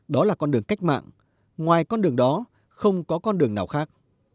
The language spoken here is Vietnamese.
đó là con đường cách mạng ngoài con đường đó không có con đường nào khác